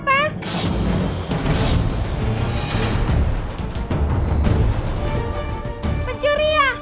malin itu tuh malin